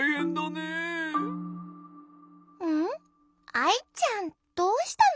アイちゃんどうしたの？